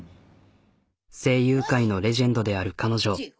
声優界のレジェンドである彼女。